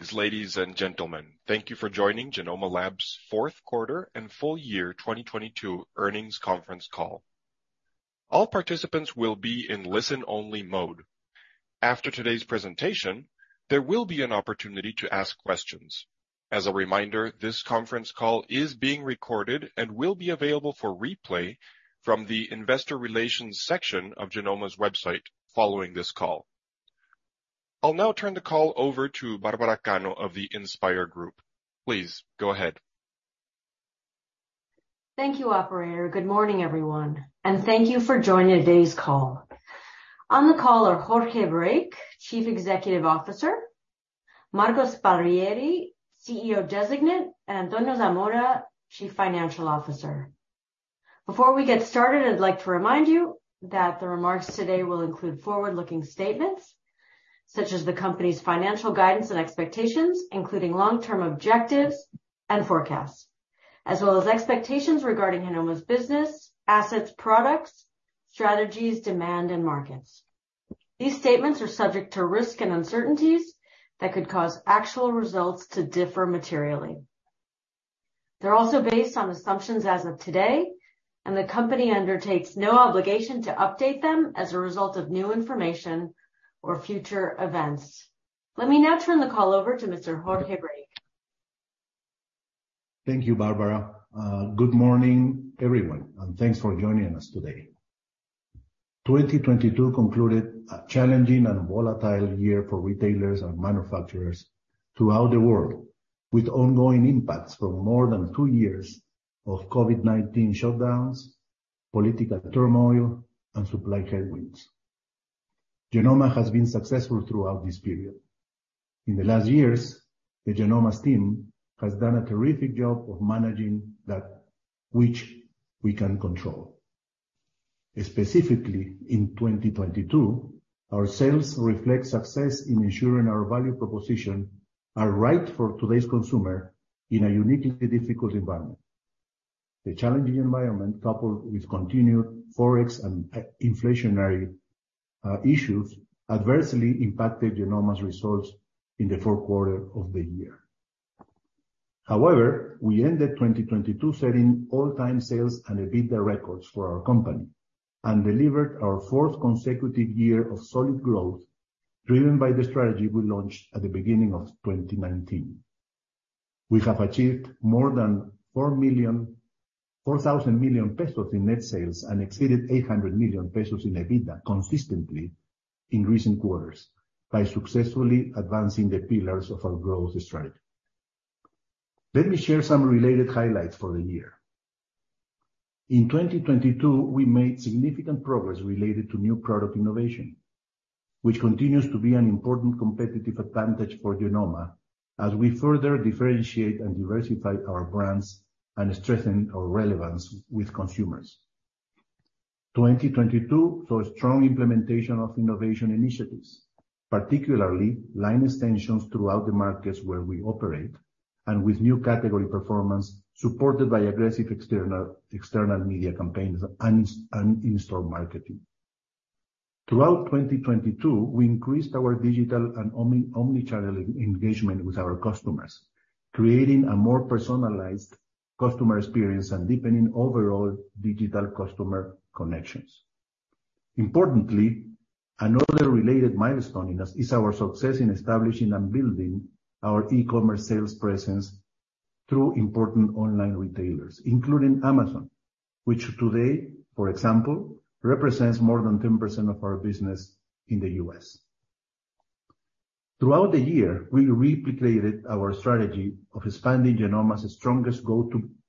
Greetings, ladies, and gentlemen. Thank you for joining Genomma Lab's Fourth Quarter and Full Year 2022 Earnings Conference Call. All participants will be in listen-only mode. After today's presentation, there will be an opportunity to ask questions. As a reminder, this conference call is being recorded and will be available for replay from the Investor Relations section of Genomma's website following this call. I'll now turn the call over to Barbara Cano of the InspIR Group. Please go ahead. Thank you, operator. Good morning, everyone, and thank you for joining today's call. On the call are Jorge Brake, Chief Executive Officer, Marco Sparvieri, CEO Designate, and Antonio Zamora, Chief Financial Officer. Before we get started, I'd like to remind you that the remarks today will include forward-looking statements such as the company's financial guidance and expectations, including long-term objectives and forecasts, as well as expectations regarding Genomma's business, assets, products, strategies, demand, and markets. These statements are subject to risks and uncertainties that could cause actual results to differ materially. They're also based on assumptions as of today. The company undertakes no obligation to update them as a result of new information or future events. Let me now turn the call over to Mr. Jorge Brake. Thank you, Barbara. Good morning, everyone, thanks for joining us today. 2022 concluded a challenging and volatile year for retailers and manufacturers throughout the world, with ongoing impacts from more than two years of COVID-19 shutdowns, political turmoil, and supply headwinds. Genomma has been successful throughout this period. In the last years, the Genomma's team has done a terrific job of managing that which we can control. Specifically, in 2022, our sales reflect success in ensuring our value proposition are right for today's consumer in a uniquely difficult environment. The challenging environment, coupled with continued Forex and inflationary issues, adversely impacted Genomma's results in the fourth quarter of the year. We ended 2022 setting all-time sales and EBITDA records for our company and delivered our fourth consecutive year of solid growth, driven by the strategy we launched at the beginning of 2019. We have achieved more than 4 billion pesos in net sales and exceeded 800 million pesos in EBITDA consistently in recent quarters by successfully advancing the pillars of our growth strategy. Let me share some related highlights for the year. In 2022, we made significant progress related to new product innovation, which continues to be an important competitive advantage for Genomma as we further differentiate and diversify our brands and strengthen our relevance with consumers. 2022 saw strong implementation of innovation initiatives, particularly line extensions throughout the markets where we operate and with new category performance supported by aggressive external media campaigns and in-store marketing. Throughout 2022, we increased our digital and omni-channel engagement with our customers, creating a more personalized customer experience and deepening overall digital customer connections. Importantly, another related milestone in this is our success in establishing and building our e-commerce sales presence through important online retailers, including Amazon, which today, for example, represents more than 10% of our business in the U.S. Throughout the year, we replicated our strategy of expanding Genomma's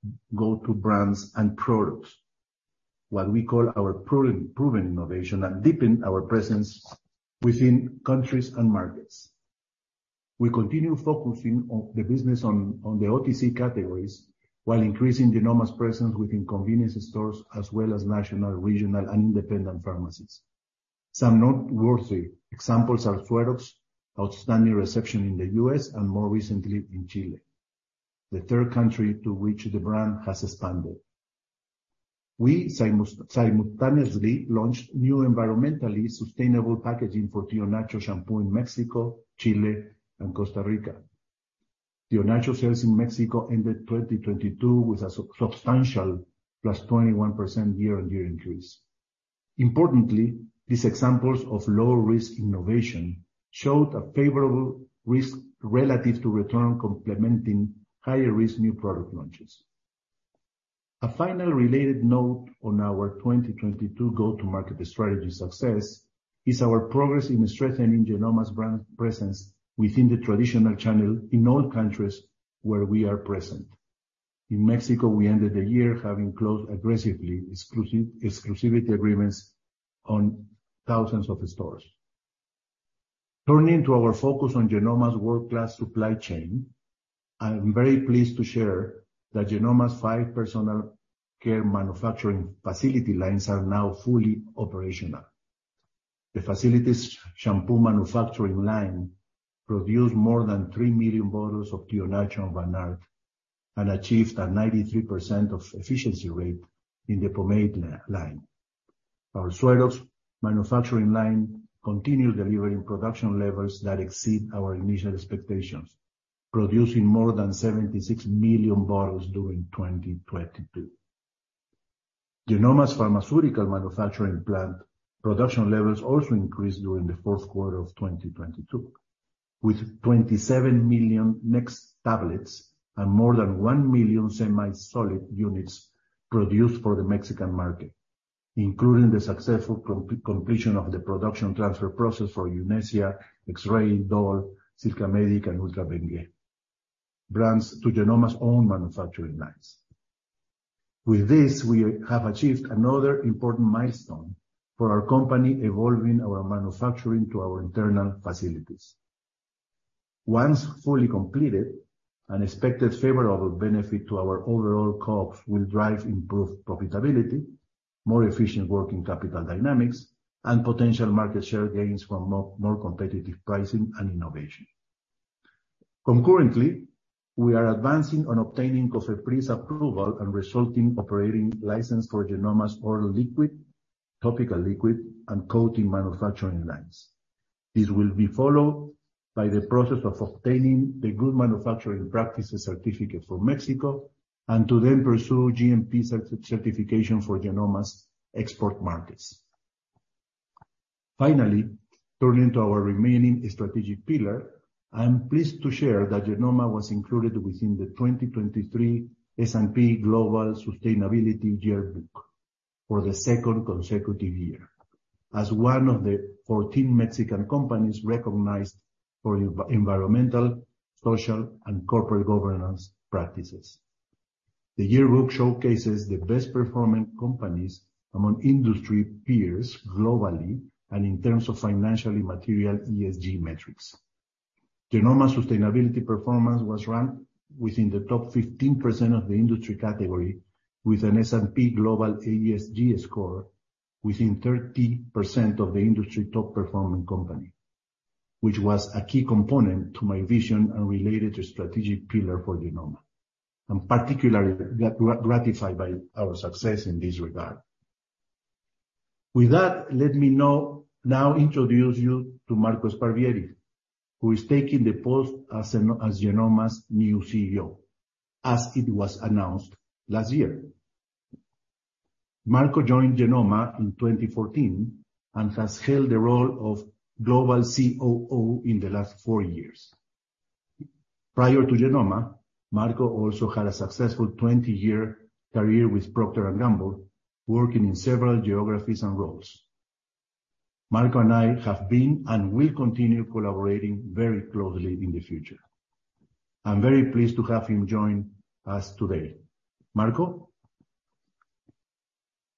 strongest go-to brands and products, what we call our pro-proven innovation, and deepen our presence within countries and markets. We continue focusing on the business on the OTC categories, while increasing Genomma's presence within convenience stores as well as national, regional, and independent pharmacies. Some noteworthy examples are SueroX's outstanding reception in the U.S. and more recently in Chile, the third country to which the brand has expanded. We simultaneously launched new environmentally sustainable packaging for Tío Nacho shampoo in Mexico, Chile, and Costa Rica. Tío Nacho sales in Mexico ended 2022 with a substantial +21% year-on-year increase. Importantly, these examples of low-risk innovation showed a favorable risk relative to return complementing higher risk new product launches. Final related note on our 2022 go-to-market strategy success is our progress in strengthening Genomma's brand presence within the traditional channel in all countries where we are present. In Mexico, we ended the year having closed aggressively exclusivity agreements on thousands of stores. Turning to our focus on Genomma's world-class supply chain, I'm very pleased to share that Genomma's five personal care manufacturing facility lines are now fully operational. The facility's shampoo manufacturing line produced more than 3 million bottles of Tío Nacho and Vanart and achieved a 93% of efficiency rate in the pomade line. Our SueroX's manufacturing line continued delivering production levels that exceed our initial expectations, producing more than 76 million bottles during 2022. Genomma's pharmaceutical manufacturing plant production levels also increased during the fourth quarter of 2022, with 27 million Next tablets and more than 1 million semi-solid units produced for the Mexican market. Including the successful completion of the production transfer process for Unesia, X-Ray, Dol, Silka Medic, and Ultra Bengue brands to Genomma's own manufacturing lines. With this, we have achieved another important milestone for our company, evolving our manufacturing to our internal facilities. Once fully completed, an expected favorable benefit to our overall costs will drive improved profitability, more efficient working capital dynamics, and potential market share gains from more competitive pricing and innovation. Concurrently, we are advancing on obtaining COFEPRIS approval and resulting operating license for Genomma's oral liquid, topical liquid, and coating manufacturing lines. This will be followed by the process of obtaining the Good Manufacturing Practices certificate from Mexico and to then pursue GMP certification for Genomma's export markets. Finally, turning to our remaining strategic pillar, I am pleased to share that Genomma was included within the 2023 S&P Global Sustainability Yearbook for the second consecutive year as one of the 14 Mexican companies recognized for environmental, social, and corporate governance practices. The yearbook showcases the best performing companies among industry peers globally and in terms of financially material ESG metrics. Genomma's sustainability performance was ranked within the top 15% of the industry category with an S&P Global ESG score within 30% of the industry top performing company, which was a key component to my vision and related strategic pillar for Genomma. I'm particularly gratified by our success in this regard. With that, let me know... now introduce you to Marco Sparvieri, who is taking the post as Genomma's new CEO, as it was announced last year. Marco joined Genomma in 2014 and has held the role of Global COO in the last four years. Prior to Genomma, Marco also had a successful 20-year career with Procter & Gamble, working in several geographies and roles. Marco and I have been and will continue collaborating very closely in the future. I'm very pleased to have him join us today. Marco.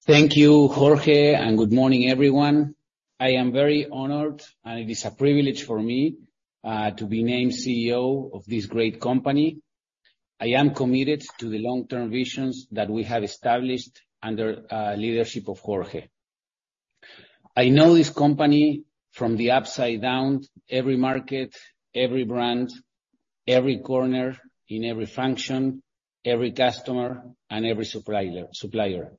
Thank you, Jorge, good morning, everyone. I am very honored, and it is a privilege for me to be named CEO of this great company. I am committed to the long-term visions that we have established under leadership of Jorge. I know this company from the upside down, every market, every brand, every corner in every function, every customer, and every supplier.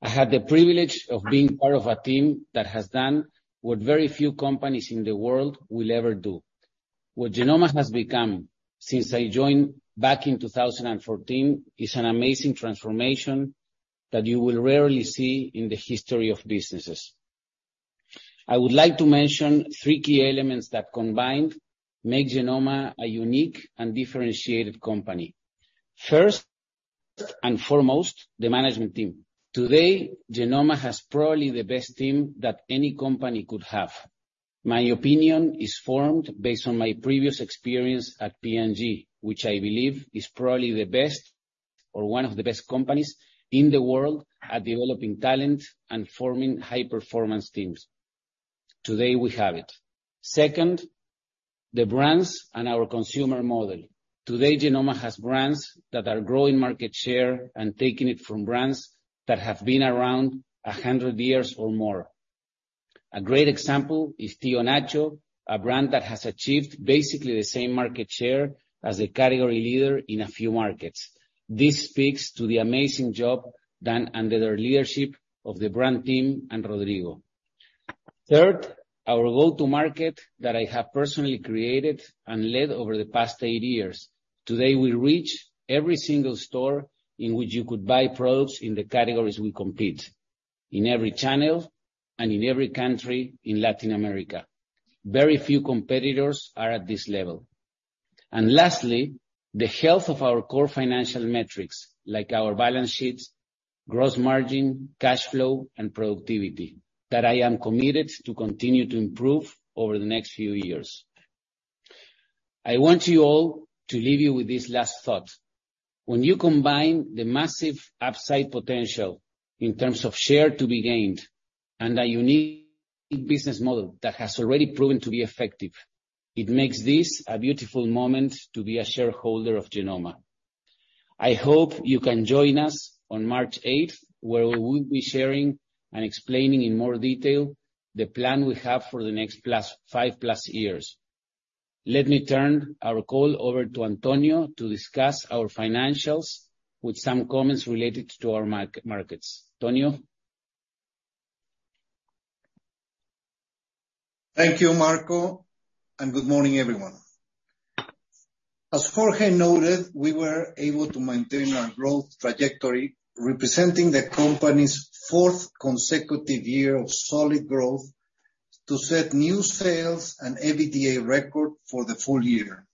I had the privilege of being part of a team that has done what very few companies in the world will ever do. What Genomma has become since I joined back in 2014 is an amazing transformation that you will rarely see in the history of businesses. I would like to mention three key elements that combined make Genomma a unique and differentiated company. First and foremost, the management team. Today, Genomma has probably the best team that any company could have. My opinion is formed based on my previous experience at P&G, which I believe is probably the best or one of the best companies in the world at developing talent and forming high-performance teams. Today, we have it. Second, the brands and our consumer model. Today, Genomma has brands that are growing market share and taking it from brands that have been around 100 years or more. A great example is Tío Nacho, a brand that has achieved basically the same market share as a category leader in a few markets. This speaks to the amazing job done under the leadership of the brand team and Rodrigo. Third, our go-to-market that I have personally created and led over the past eight years. Today, we reach every single store in which you could buy products in the categories we compete, in every channel and in every country in Latin America. Very few competitors are at this level. Lastly, the health of our core financial metrics, like our balance sheets, gross margin, cash flow, and productivity that I am committed to continue to improve over the next few years. I want you all to leave you with this last thought. When you combine the massive upside potential in terms of share to be gained and a unique business model that has already proven to be effective, it makes this a beautiful moment to be a shareholder of Genomma. I hope you can join us on March 8th, where we will be sharing and explaining in more detail the plan we have for the next 5+ years. Let me turn our call over to Antonio to discuss our financials with some comments related to our mark-markets, Antonio. Thank you, Marco. Good morning, everyone. As Jorge noted, we were able to maintain our growth trajectory, representing the company's fourth consecutive year of solid growth to set new sales and EBITDA record for the full year.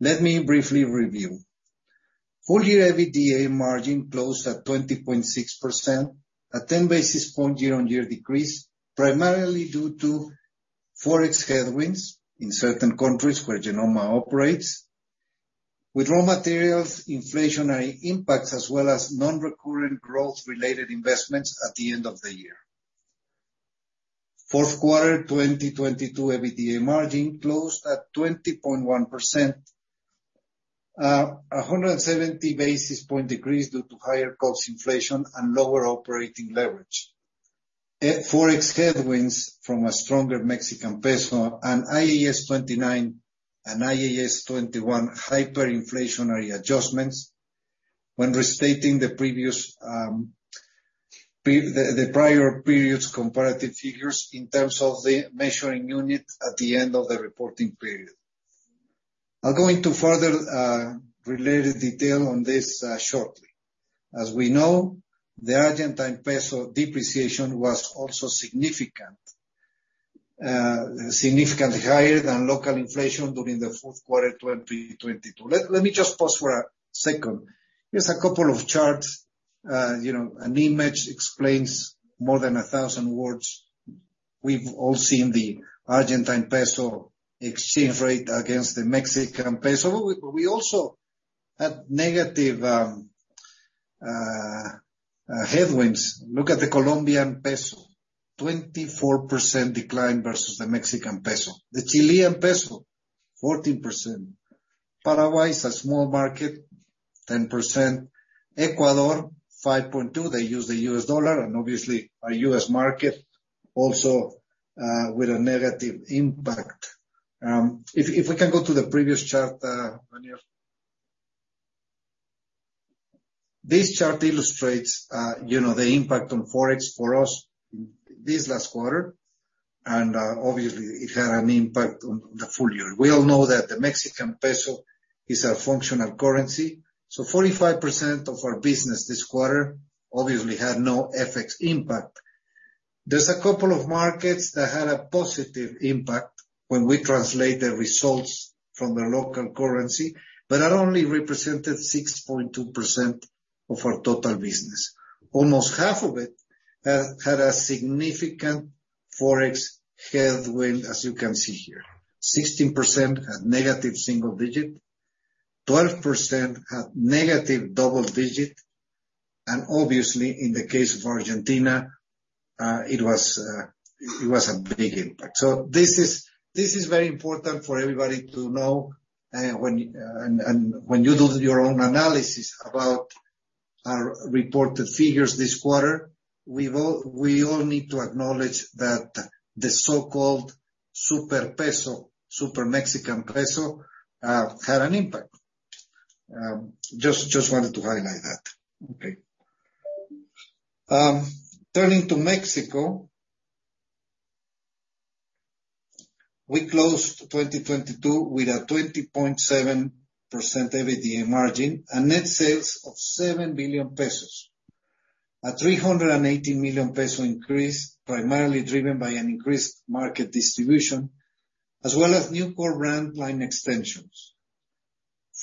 Let me briefly review. Full year EBITDA margin closed at 20.6%, a 10 basis point year-on-year decrease, primarily due to Forex headwinds in certain countries where Genomma operates, with raw materials inflationary impacts, as well as non-recurrent growth related investments at the end of the year. Fourth quarter 2022 EBITDA margin closed at 20.1%, a 170 basis point decrease due to higher cost inflation and lower operating leverage. Forex headwinds from a stronger Mexican peso and IAS 29 and IAS 21 hyperinflationary adjustments when restating the prior period's comparative figures in terms of the measuring unit at the end of the reporting period. I'll go into further related detail on this shortly. As we know, the Argentine peso depreciation was also significant. Significantly higher than local inflation during the fourth quarter, 2022. Let me just pause for a second. Here's a couple of charts. You know, an image explains more than 1,000 words. We've all seen the Argentine peso exchange rate against the Mexican peso. We also had negative headwinds. Look at the Colombian peso, 24% decline versus the Mexican peso. The Chilean peso, 14%. Paraguay is a small market, 10%. Ecuador, 5.2%. They use the U.S. dollar, and obviously our U.S. market also, with a negative impact. If we can go to the previous chart, Daniel. This chart illustrates, you know, the impact on Forex for us this last quarter, and obviously it had an impact on the full year. We all know that the Mexican peso is a functional currency. 45% of our business this quarter obviously had no FX impact. There's a couple of markets that had a positive impact when we translate the results from the local currency, but that only represented 6.2% of our total business. Almost half of it had a significant Forex headwind, as you can see here. 16% had negative single digit, 12% had negative double digit, and obviously, in the case of Argentina, it was a big impact. This is very important for everybody to know when you do your own analysis about our reported figures this quarter. We all need to acknowledge that the so-called super peso, super Mexican peso, had an impact. Just wanted to highlight that. Okay. Turning to Mexico. We closed 2022 with a 20.7% EBITDA margin and net sales of 7 billion pesos. A 380 million peso increase, primarily driven by an increased market distribution, as well as new core brand line extensions.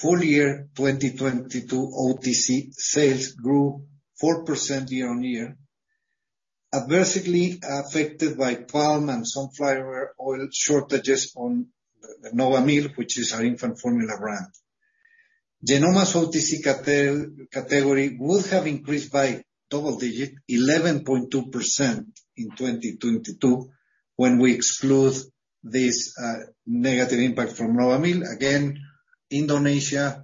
Full year, 2022 OTC sales grew 4% year-on-year, adversely affected by palm and sunflower oil shortages on the NovaMilk, which is our infant formula brand. Genomma's OTC category would have increased by double digit, 11.2% in 2022, when we exclude this negative impact from NovaMilk. Indonesia,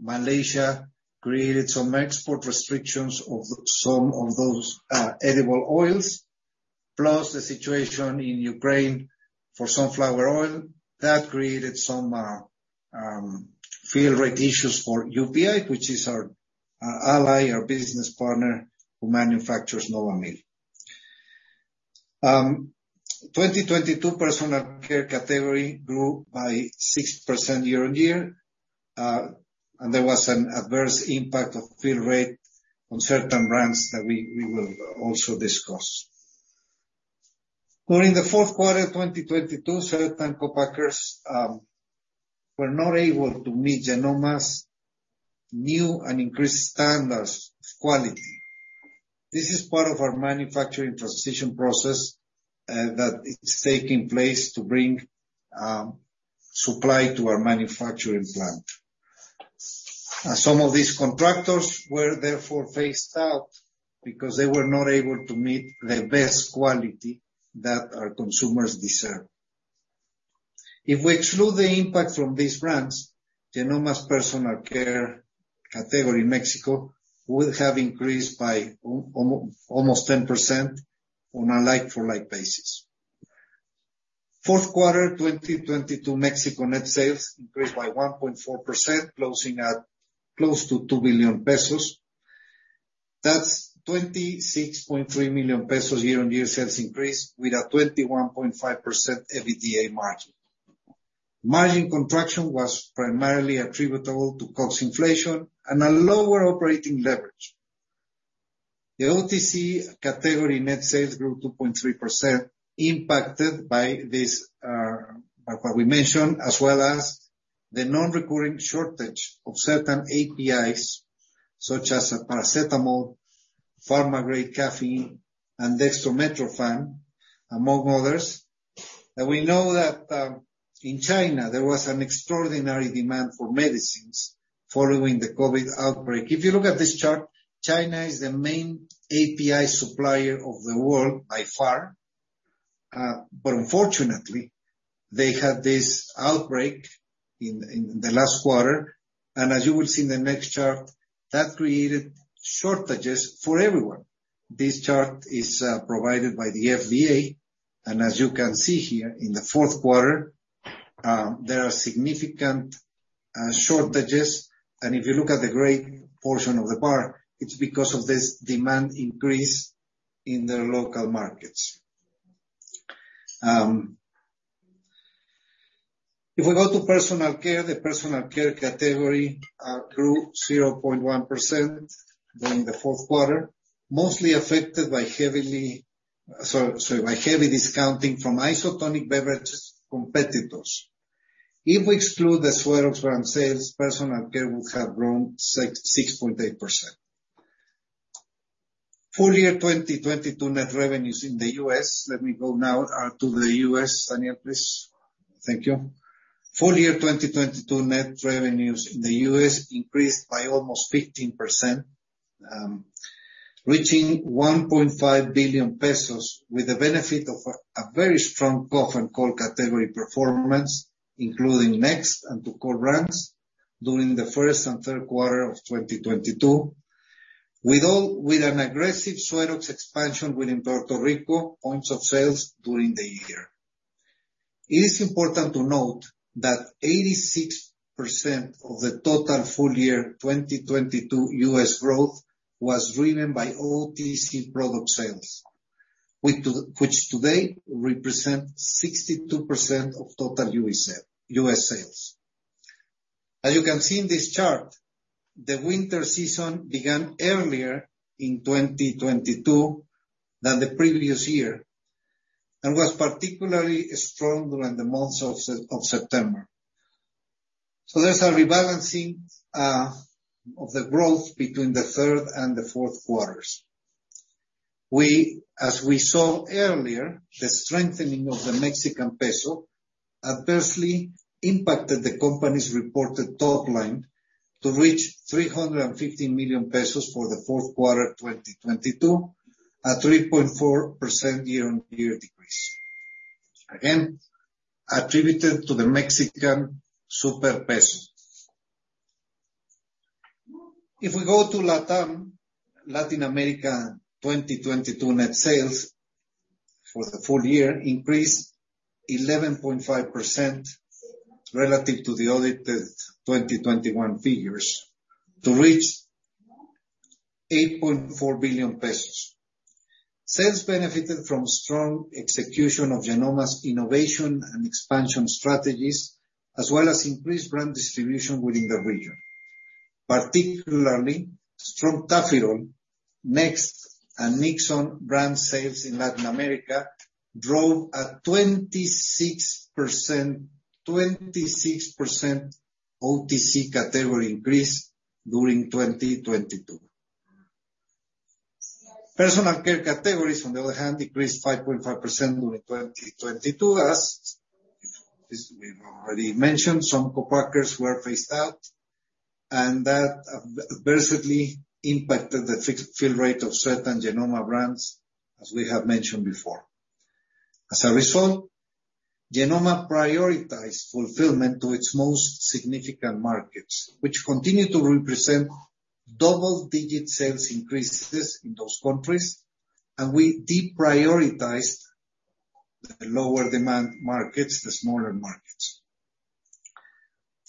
Malaysia created some export restrictions of some of those edible oils, plus the situation in Ukraine for sunflower oil. That created some fill rate issues for UPI, which is our ally, our business partner who manufactures NovaMilk. 2022 personal care category grew by 6% year-on-year, and there was an adverse impact of fill rate on certain brands that we will also discuss. During the fourth quarter of 2022, certain co-packers were not able to meet Genomma's new and increased standards of quality. This is part of our manufacturing transition process that is taking place to bring supply to our manufacturing plant. Some of these contractors were therefore phased out because they were not able to meet the best quality that our consumers deserve. If we exclude the impact from these brands, Genomma's personal care category in Mexico would have increased by almost 10% on a like-for-like basis. Fourth quarter 2022 Mexico net sales increased by 1.4% closing at close to 2 billion pesos. That's 26.3 million pesos year-on-year sales increase with a 21.5% EBITDA margin. Margin contraction was primarily attributable to cost inflation and a lower operating leverage. The OTC category net sales grew 2.3% impacted by this by what we mentioned, as well as the non-recurring shortage of certain APIs, such as paracetamol, pharma-grade caffeine, and dextromethorphan, among others. We know that in China, there was an extraordinary demand for medicines following the COVID outbreak. If you look at this chart, China is the main API supplier of the world by far. Unfortunately, they had this outbreak in the last quarter. As you will see in the next chart, that created shortages for everyone. This chart is provided by the FDA, and as you can see here, in the fourth quarter, there are significant shortages. If you look at the gray portion of the bar, it's because of this demand increase in the local markets. If we go to personal care, the personal care category grew 0.1% during the fourth quarter, mostly affected by heavy discounting from isotonic beverages competitors. If we exclude the SueroX brand sales, personal care would have grown 6.8%. Full year, 2022 net revenues in the U.S. Let me go now to the U.S., Daniel, please. Thank you. Full year, 2022 net revenues in the U.S. increased by almost 15%, reaching 1.5 billion pesos with the benefit of a very strong cough and cold category performance, including Next and Tukol brands during the first and third quarter of 2022. With an aggressive SueroX expansion within Puerto Rico points of sales during the year. It is important to note that 86% of the total full year, 2022 U.S. growth was driven by OTC product sales, which today represent 62% of total U.S. sales. As you can see in this chart, the winter season began earlier in 2022 than the previous year and was particularly stronger in the months of September. There's a rebalancing of the growth between the third and fourth quarters. As we saw earlier, the strengthening of the Mexican peso adversely impacted the company's reported top line to reach 350 million pesos for the fourth quarter, 2022, a 3.4% year-on-year decrease. Again, attributed to the Mexican super peso. We go to LATAM, Latin America, 2022 net sales for the full year increased 11.5% relative to the audited 2021 figures to reach 8.4 billion pesos. Sales benefited from strong execution of Genomma's innovation and expansion strategies, as well as increased brand distribution within the region. Particularly, strong Tafirol, Next and Nikzon brand sales in Latin America drove a 26% OTC category increase during 2022. Personal care categories, on the other hand, increased 5.5% during 2022. As we've already mentioned, some co-packers were phased out and that adversely impacted the fix fill rate of certain Genomma brands, as we have mentioned before. Genomma prioritized fulfillment to its most significant markets, which continue to represent double-digit sales increases in those countries, and we deprioritized the lower demand markets, the smaller markets.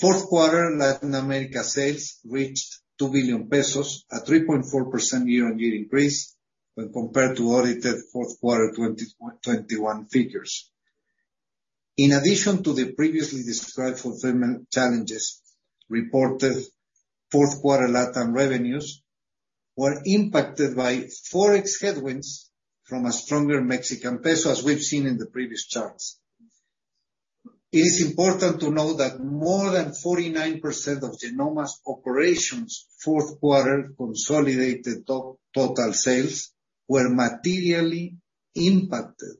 Fourth quarter Latin America sales reached 2 billion pesos at 3.4% year-on-year increase when compared to audited fourth quarter 2021 figures. In addition to the previously described fulfillment challenges, reported fourth quarter LATAM revenues were impacted by Forex headwinds from a stronger Mexican peso, as we've seen in the previous charts. It is important to know that more than 49% of Genomma's operations' fourth quarter consolidated total sales were materially impacted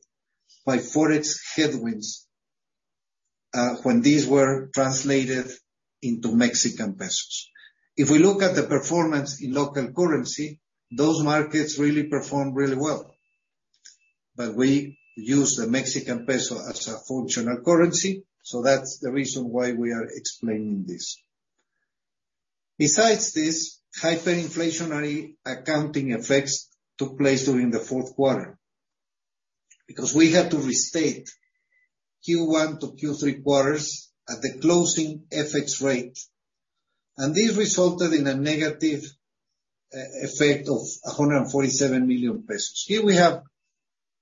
by Forex headwinds when these were translated into Mexican pesos. If we look at the performance in local currency, those markets really performed really well. We use the Mexican peso as a functional currency, so that's the reason why we are explaining this. Besides this, hyperinflationary accounting effects took place during the fourth quarter, because we had to restate Q1-Q3 quarters at the closing FX rate, and this resulted in a negative effect of 147 million pesos. Here we have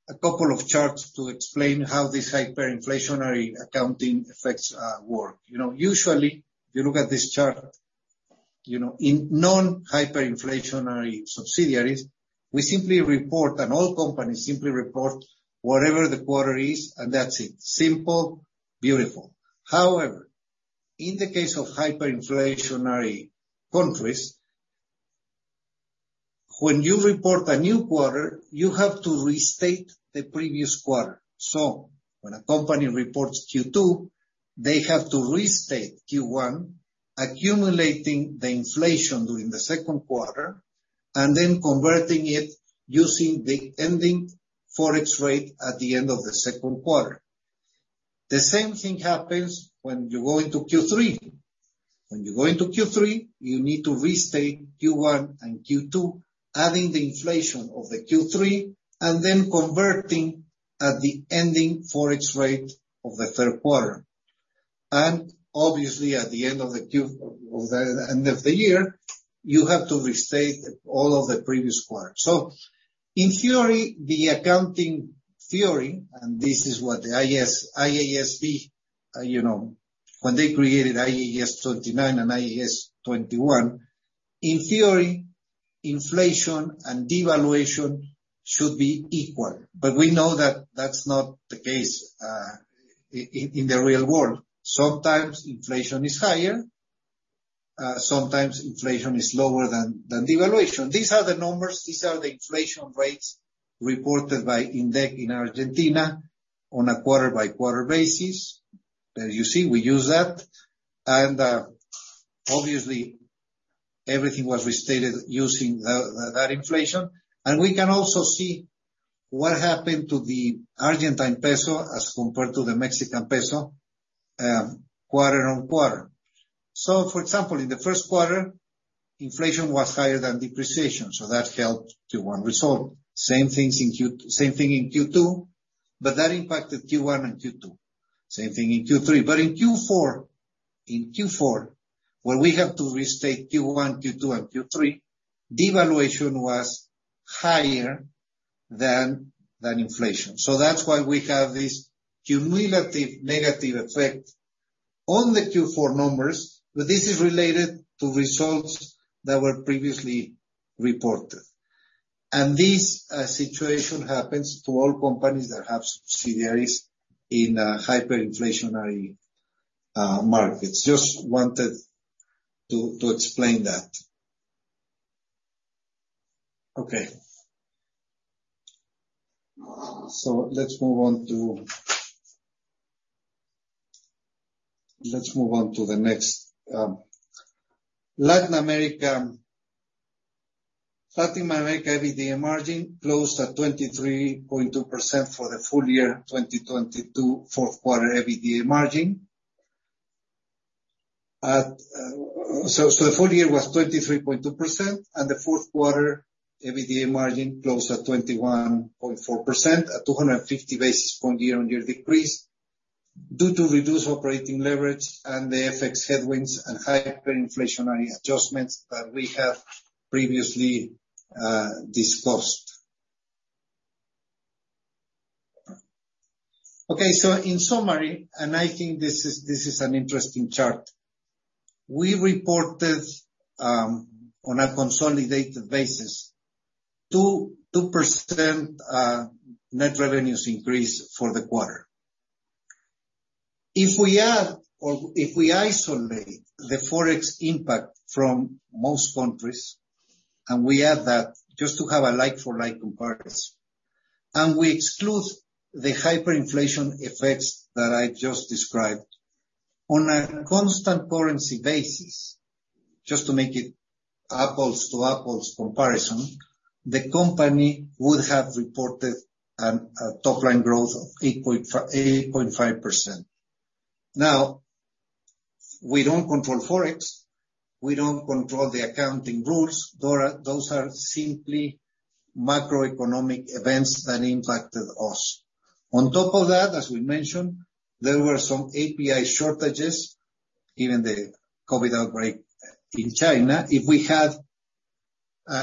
a couple of charts to explain how these hyperinflationary accounting effects work. You know, usually, if you look at this chart, you know, in non-hyperinflationary subsidiaries, we simply report, and all companies simply report whatever the quarter is, and that's it. Simple, beautiful. However, in the case of hyperinflationary countries, when you report a new quarter, you have to restate the previous quarter. When a company reports Q2, they have to restate Q1, accumulating the inflation during the second quarter and then converting it using the ending Forex rate at the end of the second quarter. The same thing happens when you go into Q3. When you go into Q3, you need to restate Q1 and Q2, adding the inflation of the Q3 and then converting at the ending Forex rate of the third quarter. Obviously, at the end of the year, you have to restate all of the previous quarters. In theory, the accounting theory, and this is what the IASB, you know, when they created IAS 29 and IAS 21, in theory, inflation and devaluation should be equal. We know that that's not the case in the real world. Sometimes inflation is higher, sometimes inflation is lower than devaluation. These are the inflation rates reported by INDEC in Argentina on a quarter-by-quarter basis. As you see, we use that. Obviously everything was restated using that inflation. We can also see what happened to the Argentine peso as compared to the Mexican peso quarter-on-quarter. For example, in the first quarter, inflation was higher than depreciation, so that helped to one result. Same thing in Q2, that impacted Q1 and Q2. Same thing in Q3. In Q4, where we have to restate Q1, Q2, and Q3, devaluation was higher than inflation. That's why we have this cumulative negative effect on the Q4 numbers. This is related to results that were previously reported. This situation happens to all companies that have subsidiaries in hyperinflationary markets. Just wanted to explain that. Okay. Let's move on to the next Latin America. Latin America EBITDA margin closed at 23.2% for the full year 2022 fourth quarter EBITDA margin. The full year was 23.2%, and the fourth quarter EBITDA margin closed at 21.4% at 200 basis point year-on-year decrease due to reduced operating leverage and the FX headwinds and hyperinflationary adjustments that we have previously discussed. In summary, and I think this is an interesting chart. We reported on a consolidated basis, 2% net revenues increase for the quarter. If we add or if we isolate the Forex impact from most countries, and we add that just to have a like-for-like comparison, and we exclude the hyperinflation effects that I just described, on a constant currency basis, just to make it apples-to-apples comparison, the company would have reported a top line growth of 8.5%. Now, we don't control Forex, we don't control the accounting rules. Those are simply macroeconomic events that impacted us. On top of that, as we mentioned, there were some API shortages, given the COVID outbreak in China. If we had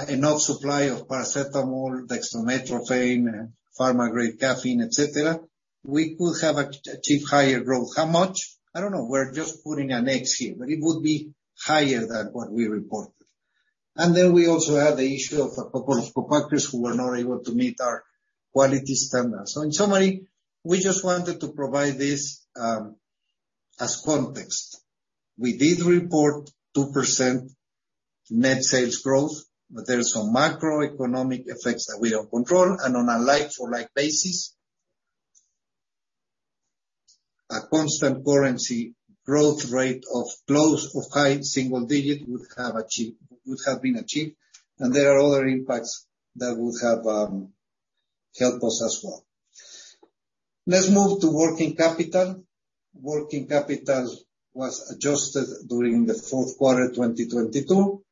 enough supply of paracetamol, dextromethorphan, pharma-grade caffeine, et cetera, we could have achieved higher growth. How much? I don't know. We're just putting an X here, but it would be higher than what we reported. We also have the issue of a couple of co-packers who were not able to meet our quality standards. In summary, we just wanted to provide this as context. We did report 2% net sales growth, but there are some macroeconomic effects that we don't control, and on a like-for-like basis. A constant currency growth rate of close to high single digit would have been achieved, and there are other impacts that would have helped us as well. Let's move to working capital. Working capital was adjusted during the fourth quarter 2022,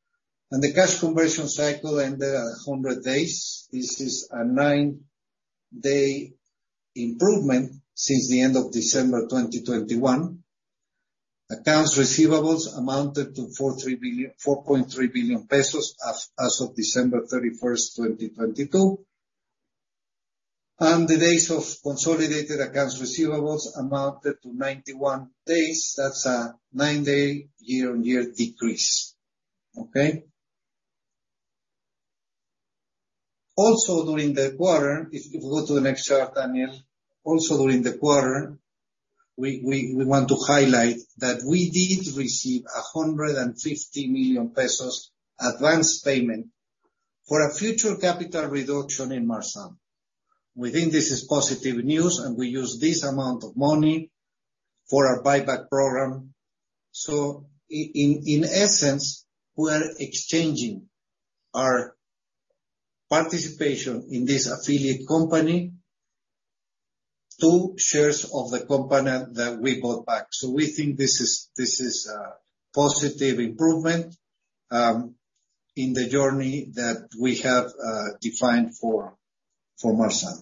and the cash conversion cycle ended at 100 days. This is a nine day improvement since the end of December 2021. Accounts receivables amounted to 4.3 billion as of December 31st, 2022. The days of consolidated accounts receivables amounted to 91 days. That's a nine day year-on-year decrease. Okay? If you go to the next chart, Daniel. During the quarter, we want to highlight that we did receive 150 million pesos advance payment for a future capital reduction in Marzam. We think this is positive news, and we use this amount of money for our buyback program. In essence, we are exchanging our participation in this affiliate company to shares of the company that we bought back. We think this is, this is a positive improvement in the journey that we have defined for Marzam.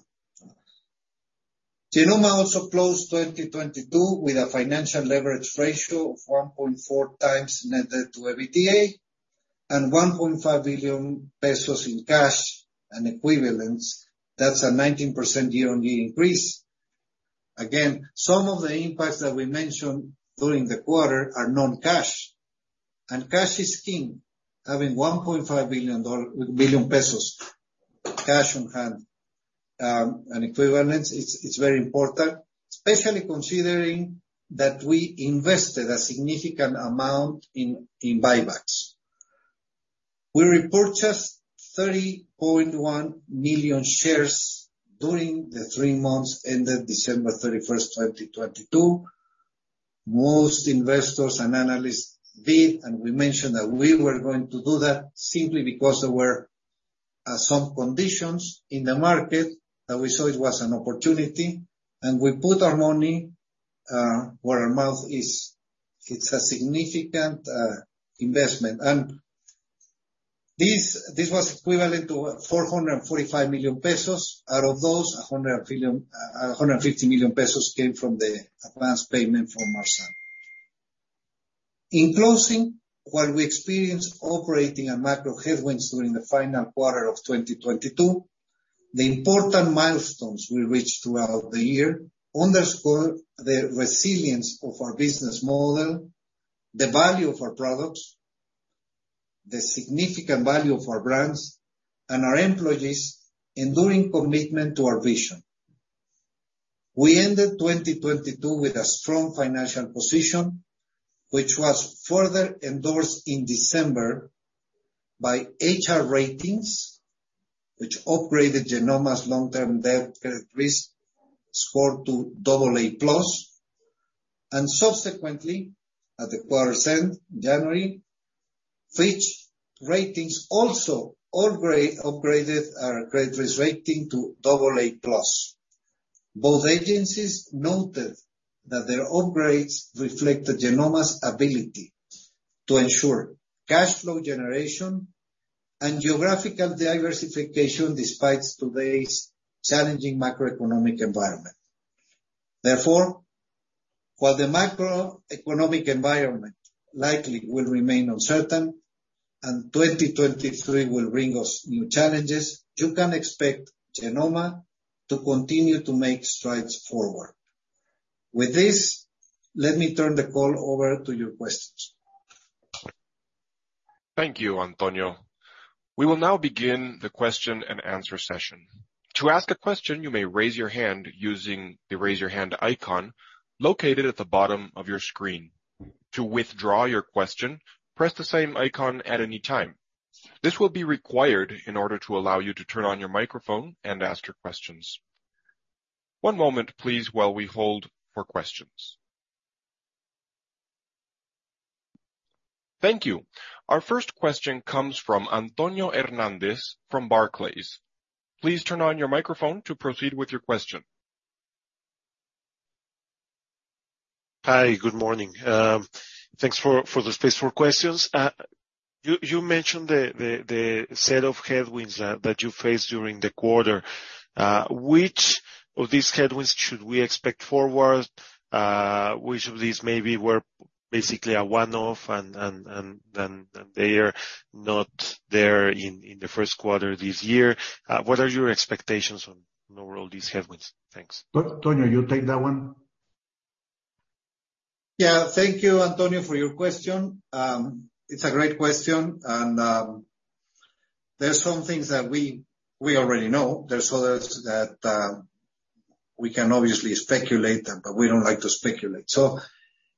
Genomma also closed 2022 with a financial leverage ratio of 1.4x net debt-to-EBITDA and 1.5 billion pesos in cash and equivalents. That's a 19% year-on-year increase. Some of the impacts that we mentioned during the quarter are non-cash. Cash is king. Having MXN 1.5 billion cash on hand and equivalents, it's very important, especially considering that we invested a significant amount in buybacks. We repurchased 30.1 million shares during the three months ended December 31st, 2022. Most investors and analysts did, and we mentioned that we were going to do that simply because there were some conditions in the market that we saw it was an opportunity, and we put our money where our mouth is. It's a significant investment. This was equivalent to 445 million pesos. Out of those, 150 million pesos came from the advanced payment from Marzam. In closing, while we experienced operating and macro headwinds during the final quarter of 2022, the important milestones we reached throughout the year underscore the resilience of our business model, the value of our products, the significant value of our brands, and our employees' enduring commitment to our vision. We ended 2022 with a strong financial position, which was further endorsed in December by HR Ratings, which upgraded Genomma's long-term debt credit risk score to AA+. Subsequently, at the quarter's end, January, Fitch Ratings also upgraded our credit risk rating to AA+. Both agencies noted that their upgrades reflect the Genomma's ability to ensure cash flow generation and geographical diversification despite today's challenging macroeconomic environment. While the macroeconomic environment likely will remain uncertain and 2023 will bring us new challenges, you can expect Genomma to continue to make strides forward. With this, let me turn the call over to your questions. Thank you, Antonio. We will now begin the question-and-answer session. To ask a question, you may raise your hand using the Raise Your Hand icon located at the bottom of your screen. To withdraw your question, press the same icon at any time. This will be required in order to allow you to turn on your microphone and ask your questions. One moment, please, while we hold for questions. Thank you. Our first question comes from Antonio Hernández from Barclays. Please turn on your microphone to proceed with your question. Hi, good morning. Thanks for the space for questions. You mentioned the set of headwinds that you faced during the quarter. Which of these headwinds should we expect forward? Which of these maybe were basically a one-off and they are not there in the first quarter this year? What are your expectations on overall these headwinds? Thanks. Antonio, you take that one. Yeah. Thank you, Antonio, for your question. It's a great question, and there are some things that we already know. There are others that we can obviously speculate them, but we don't like to speculate.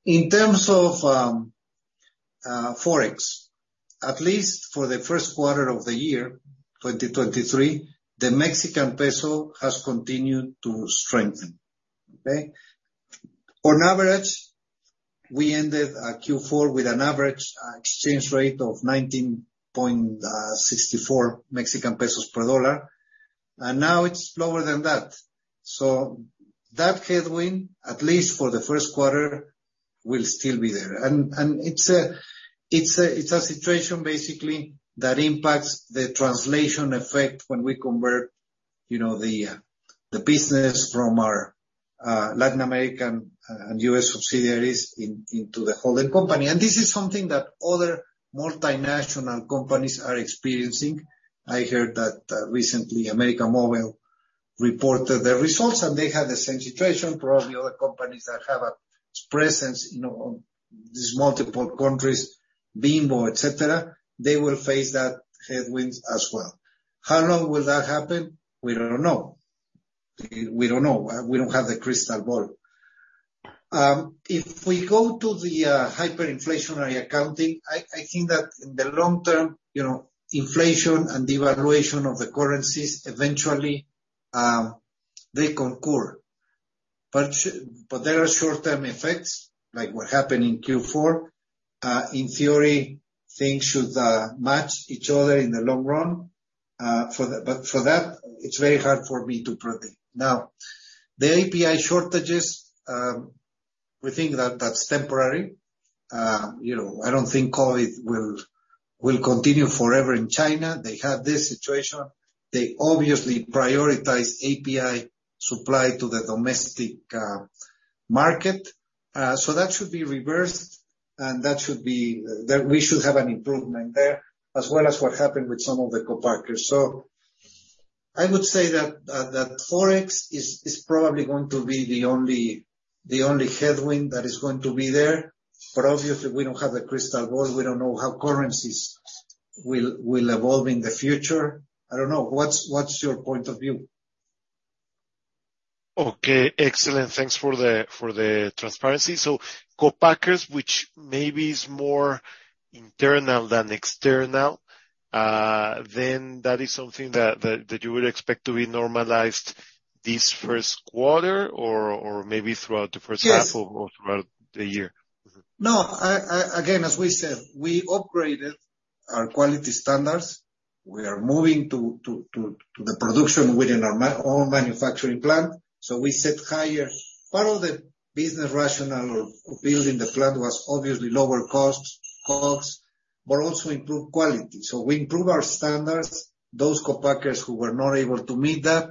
In terms of Forex. At least for the first quarter of the year, 2023, the Mexican peso has continued to strengthen. Okay? On average, we ended Q4 with an average exchange rate of 19.64 Mexican pesos per dollar. Now it's lower than that. That headwind, at least for the first quarter, will still be there. It's a situation basically that impacts the translation effect when we convert, you know, the business from our Latin American and U.S. subsidiaries into the holding company. This is something that other multinational companies are experiencing. I heard that recently América Móvil reported their results, and they had the same situation. Probably other companies that have a presence, you know, on these multiple countries, Bimbo, et cetera, they will face that headwinds as well. How long will that happen? We don't know. We don't know. We don't have the crystal ball. If we go to the hyperinflationary accounting, I think that in the long term, you know, inflation and devaluation of the currencies, eventually, they concur. There are short-term effects, like what happened in Q4. In theory, things should match each other in the long run, for the... For that, it's very hard for me to predict. The API shortages, we think that that's temporary. You know, I don't think COVID will continue forever in China. They have this situation. They obviously prioritize API supply to the domestic market. That should be reversed, and we should have an improvement there, as well as what happened with some of the co-packers. I would say that Forex is probably going to be the only headwind that is going to be there. Obviously we don't have a crystal ball. We don't know how currencies will evolve in the future. I don't know. What's your point of view? Okay, excellent. Thanks for the, for the transparency. Co-packers, which maybe is more internal than external, then that is something that you would expect to be normalized this first quarter or maybe throughout the first- Yes half or throughout the year? Mm-hmm. No. Again, as we said, we upgraded our quality standards. We are moving to the production within our own manufacturing plant. We set higher. Part of the business rationale of building the plant was obviously lower costs, but also improve quality. We improve our standards. Those co-packers who were not able to meet that,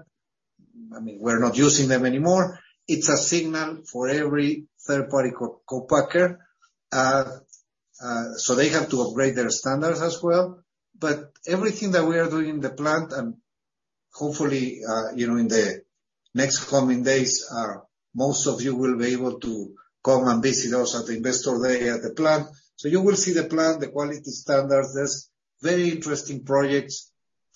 I mean, we're not using them anymore. It's a signal for every third-party co-packer. They have to upgrade their standards as well. Everything that we are doing in the plant, and hopefully, you know, in the next coming days, most of you will be able to come and visit us at the Investor Day at the plant. You will see the plant, the quality standards. There's very interesting projects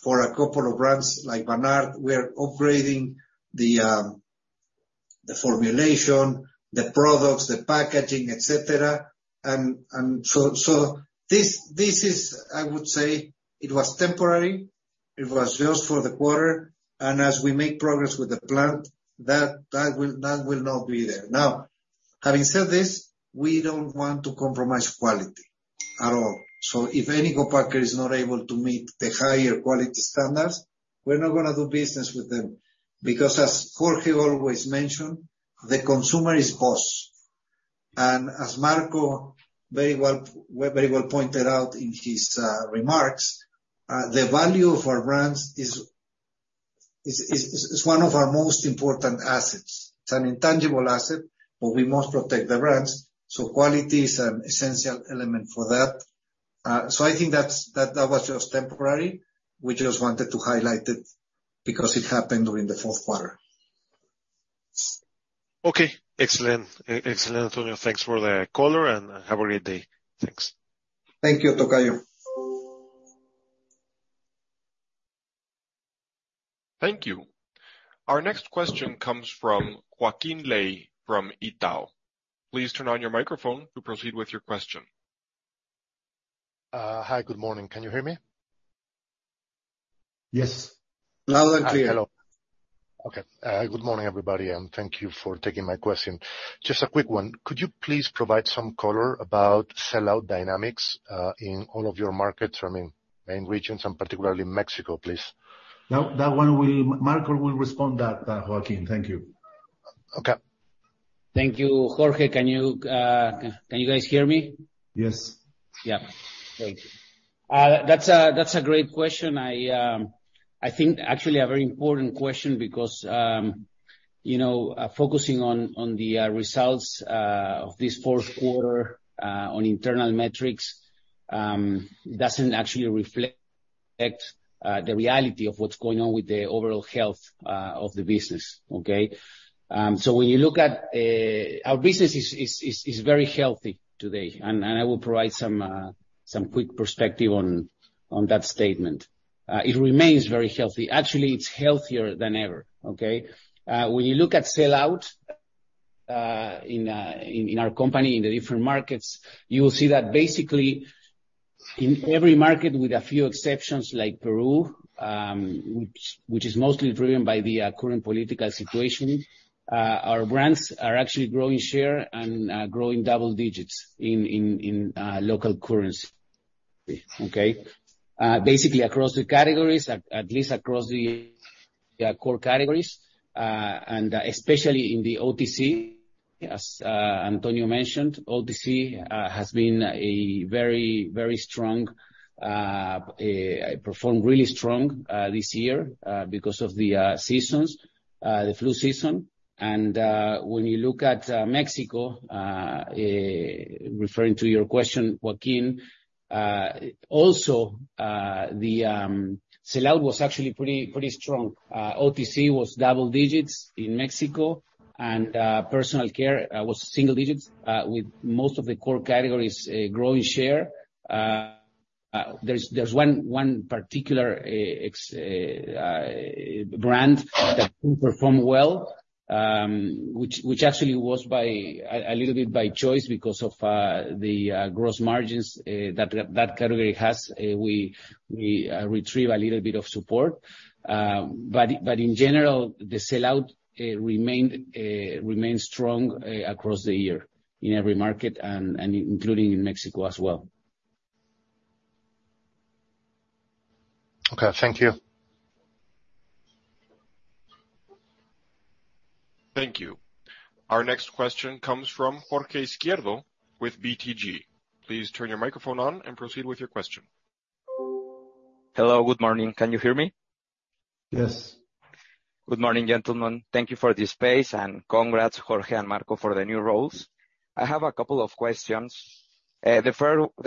for a couple of brands like Vanart. We are upgrading the formulation, the products, the packaging, et cetera. So this is, I would say, it was temporary. It was just for the quarter. As we make progress with the plant, that will not be there. Having said this, we don't want to compromise quality at all. If any co-packer is not able to meet the higher quality standards, we're not gonna do business with them. As Jorge always mention, the consumer is boss. As Marco very well pointed out in his remarks, the value of our brands is one of our most important assets. It's an intangible asset, but we must protect the brands. Quality is an essential element for that. I think that's, that was just temporary. We just wanted to highlight it because it happened during the fourth quarter. Okay. Excellent. Excellent, Antonio. Thanks for the color. Have a great day. Thanks. Thank you, Tocayo. Thank you. Our next question comes from Joaquín Ley from Itaú. Please turn on your microphone to proceed with your question. Hi, good morning. Can you hear me? Yes. Loud and clear. Hello. Okay. Good morning, everybody, and thank you for taking my question. Just a quick one. Could you please provide some color about sellout dynamics in all of your markets, I mean, main regions and particularly Mexico, please? Marco will respond that, Joaquín. Thank you. Okay. Thank you. Jorge, can you guys hear me? Yes. Yeah. Thank you. That's a great question. I think actually a very important question because, you know, focusing on the results of this fourth quarter on internal metrics doesn't actually reflect the reality of what's going on with the overall health of the business. Okay? When you look at, our business is very healthy today. I will provide some quick perspective on that statement. It remains very healthy. Actually, it's healthier than ever, okay? When you look at sell-out in our company, in the different markets, you will see that basically in every market with a few exceptions like Peru, which is mostly driven by the current political situation, our brands are actually growing share and growing double digits in local currency. Okay? Basically across the categories, at least across the core categories, and especially in the OTC, as Antonio mentioned. OTC has been a very, very strong performed really strong this year because of the seasons, the flu season. When you look at Mexico, referring to your question, Joaquín, also the sell out was actually pretty strong. OTC was double digits in Mexico, personal care was single digits with most of the core categories growing share. There's one particular brand that didn't perform well, which actually was by a little bit by choice because of the gross margins that category has. We retrieve a little bit of support. In general, the sellout remained strong across the year in every market including in Mexico as well. Okay. Thank you. Thank you. Our next question comes from Jorge Izquierdo with BTG. Please turn your microphone on and proceed with your question. Hello. Good morning. Can you hear me? Yes. Good morning, gentlemen. Thank you for the space, congrats, Jorge and Marco, for the new roles. I have a couple of questions. The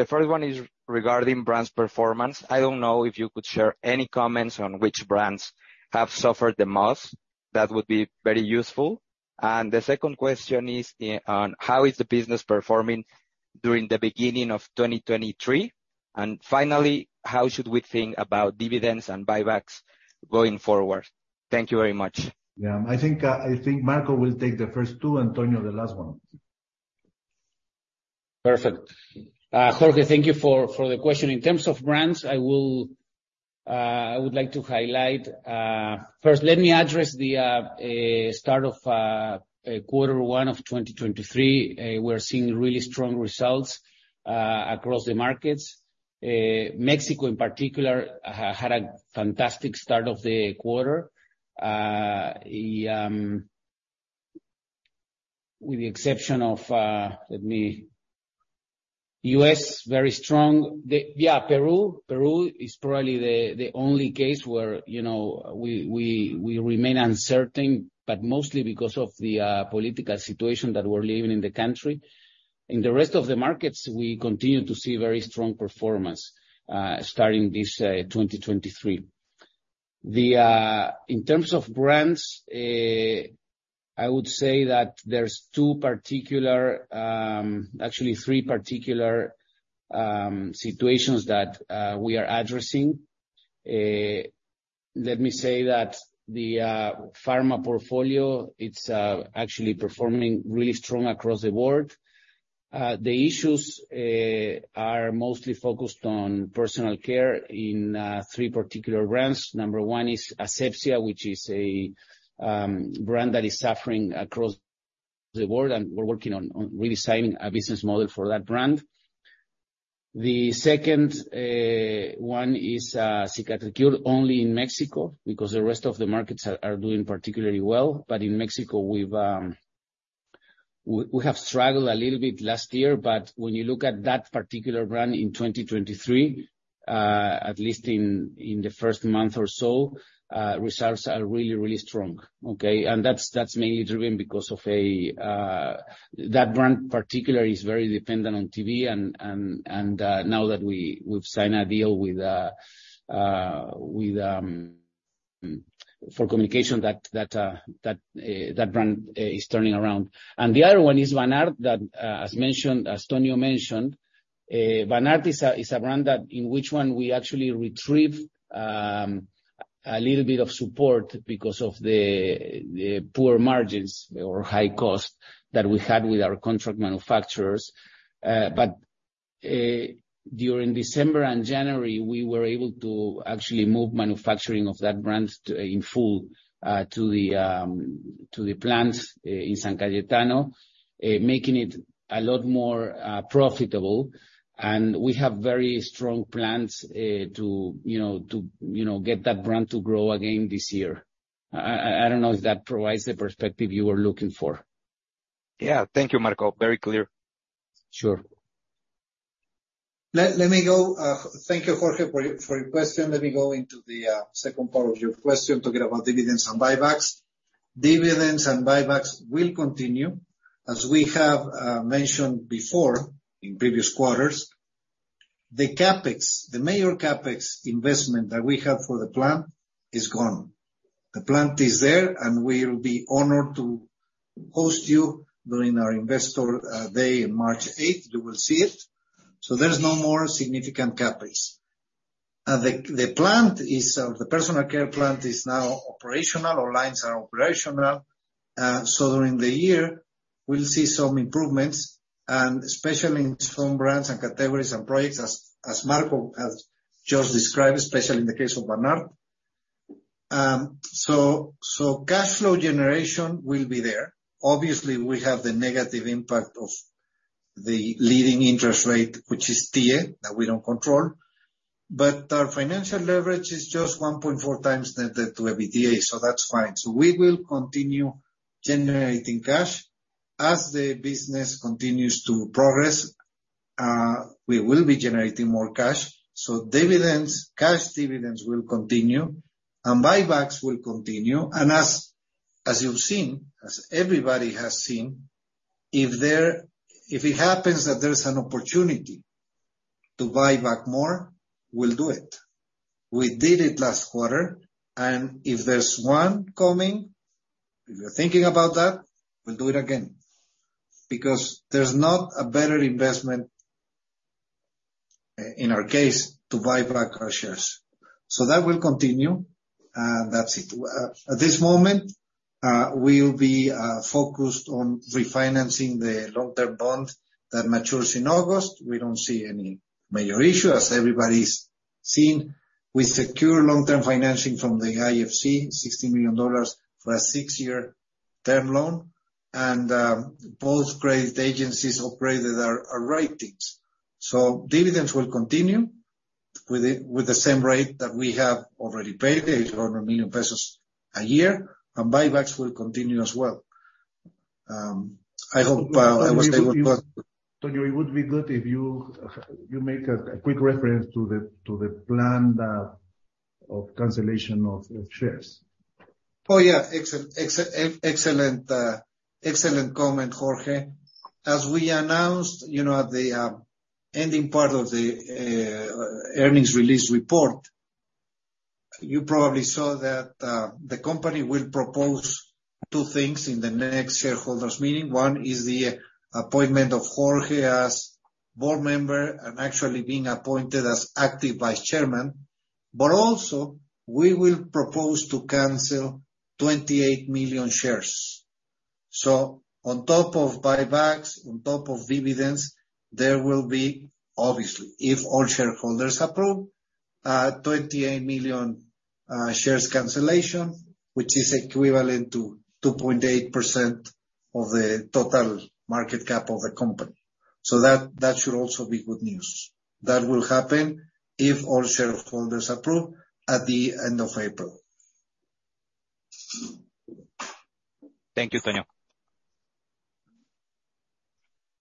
first one is regarding brands performance. I don't know if you could share any comments on which brands have suffered the most. That would be very useful. The second question is on how is the business performing during the beginning of 2023? Finally, how should we think about dividends and buybacks going forward? Thank you very much. Yeah. I think Marco will take the first two, Antonio, the last one. Perfect. Jorge, thank you for the question. In terms of brands, I will, I would like to highlight... First, let me address the start of quarter one of 2023. We're seeing really strong results across the markets. Mexico in particular had a fantastic start of the quarter. With the exception of U.S., very strong. Peru is probably the only case where, you know, we remain uncertain, but mostly because of the political situation that we're living in the country. In the rest of the markets, we continue to see very strong performance starting this 2023. In terms of brands, I would say that there's two particular, actually three particular situations that we are addressing. Let me say that the pharma portfolio, it's actually performing really strong across the board. The issues are mostly focused on personal care in 3 particular brands. Number one is Asepxia, which is a brand that is suffering across the board, we're working on redesigning a business model for that brand. The second one is Cicatricure, only in Mexico, because the rest of the markets are doing particularly well. In Mexico, we've struggled a little bit last year, but when you look at that particular brand in 2023, at least in the first month or so, results are really, really strong, okay? That's mainly driven because that brand particular is very dependent on TV, and now that we've signed a deal with for communication, that brand is turning around. The other one is Vanart that, as mentioned, as Antonio mentioned, Vanart is a brand that in which one we actually retrieve a little bit of support because of the poor margins or high cost that we had with our contract manufacturers. During December and January, we were able to actually move manufacturing of that brand to, in full, to the plants in San Cayetano, making it a lot more profitable. We have very strong plans to, you know, get that brand to grow again this year. I don't know if that provides the perspective you were looking for. Yeah. Thank you, Marco. Very clear. Sure. Let me go. Thank you, Jorge, for your question. Let me go into the second part of your question, talking about dividends and buybacks. Dividends and buybacks will continue. As we have mentioned before in previous quarters, the CapEx, the major CapEx investment that we have for the plant is gone. The plant is there, and we'll be honored to host you during our Investor Day in March eighth. You will see it. There's no more significant CapEx. The personal care plant is now operational, all lines are operational. During the year we'll see some improvements, and especially in strong brands and categories and products as Marco has just described, especially in the case of Vanart. Cash flow generation will be there. Obviously, we have the negative impact of the leading interest rate, which is TIIE, that we don't control. Our financial leverage is just 1.4x net debt-to-EBITDA, that's fine. We will continue generating cash. As the business continues to progress, we will be generating more cash. Dividends, cash dividends will continue, and buybacks will continue. As you've seen, as everybody has seen, if it happens that there's an opportunity to buy back more, we'll do it. We did it last quarter, and if there's one coming, if we're thinking about that, we'll do it again. There's not a better investment in our case to buy back our shares. That will continue, and that's it. At this moment, we'll be focused on refinancing the long-term bond that matures in August. We don't see any major issue as everybody's seen. We secure long-term financing from the IFC, $60 million for a six year term loan. Both credit agencies upgraded our ratings. Dividends will continue with the same rate that we have already paid, 800 million pesos a year, and buybacks will continue as well. I hope. Antonio, it would be good if you make a quick reference to the plan of cancellation of shares. Yeah. Excellent, excellent comment, Jorge. We announced, you know, at the ending part of the earnings release report, you probably saw that the company will propose two things in the next shareholders meeting. One is the appointment of Jorge as board member and actually being appointed as active vice chairman. Also we will propose to cancel 28 million shares. On top of buybacks, on top of dividends, there will be, obviously, if all shareholders approve, 28 million shares cancellation, which is equivalent to 2.8% of the total market cap of the company. That should also be good news. That will happen, if all shareholders approve, at the end of April. Thank you, Antonio.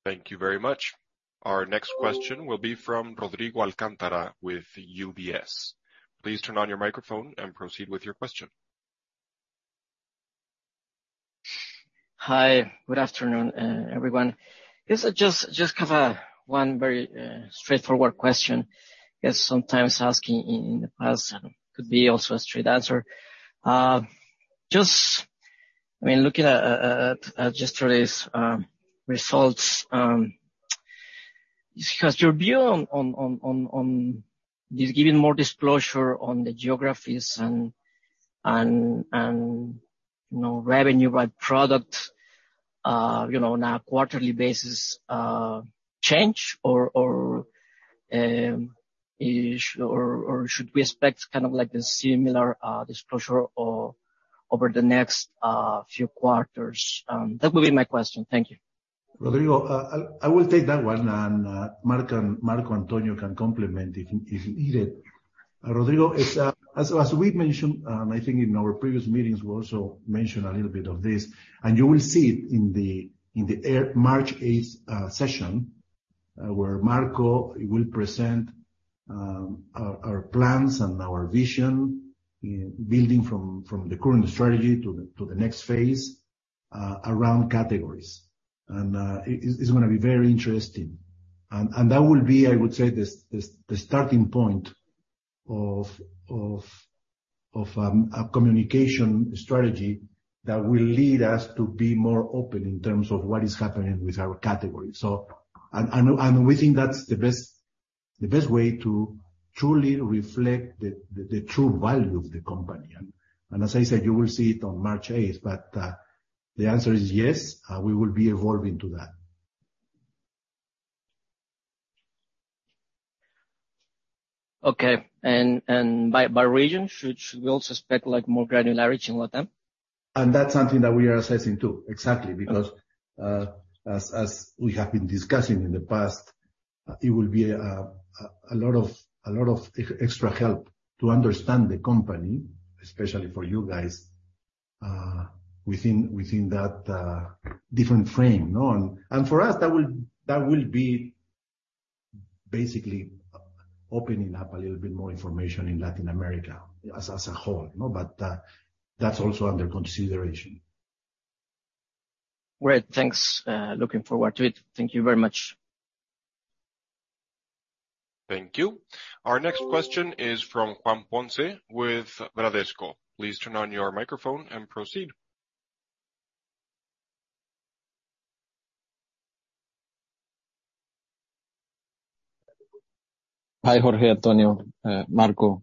Thank you very much. Our next question will be from Rodrigo Alcántara with UBS. Please turn on your microphone and proceed with your question. Hi, good afternoon, everyone. This is just have one very straightforward question. Guess sometimes asking in the past could be also a straight answer. Just, I mean, looking at yesterday's results, has your view on this giving more disclosure on the geographies and, you know, revenue by product, you know, on a quarterly basis, change or, is or should we expect kind of like the similar disclosure over the next few quarters? That would be my question. Thank you. Rodrigo, I will take that one and Marco Antonio can complement if needed. Rodrigo, it's as we've mentioned, I think in our previous meetings we also mentioned a little bit of this, and you will see it in the air March eighth session, where Marco will present our plans and our vision in building from the current strategy to the next phase around categories. It is gonna be very interesting. That will be, I would say, the starting point of a communication strategy that will lead us to be more open in terms of what is happening with our categories. We think that's the best way to truly reflect the true value of the company. As I said, you will see it on March 8th. The answer is yes, we will be evolving to that. Okay. By region, should we also expect like more granularity in LATAM? That's something that we are assessing too. Exactly. Okay. Because as we have been discussing in the past, it will be a lot of extra help to understand the company, especially for you guys, within that different frame, you know? For us, that will be basically opening up a little bit more information in Latin America as a whole, you know? That's also under consideration. Great. Thanks. looking forward to it. Thank you very much. Thank you. Our next question is from Juan Ponce with Bradesco. Please turn on your microphone and proceed. Hi, Jorge, Antonio, Marco.